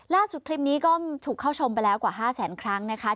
คลิปนี้ก็ถูกเข้าชมไปแล้วกว่า๕แสนครั้งนะคะ